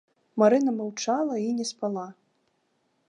Марына маўчала і не спала.